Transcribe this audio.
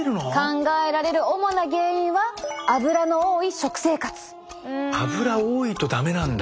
考えられる主な原因はアブラ多いと駄目なんだ！